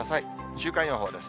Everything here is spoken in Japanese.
週間予報です。